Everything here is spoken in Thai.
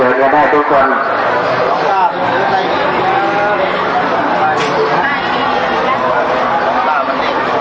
โปรดติดตามตอนต่อไป